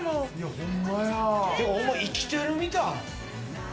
ほんま生きてるみたい。